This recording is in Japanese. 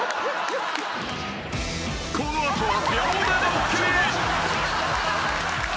［この後は］